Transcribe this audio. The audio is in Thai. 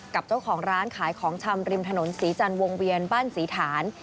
กับเจ้าของร้านขายของชำริมถนนศรีจันทร์วงเวียนบ้านศรีฐาน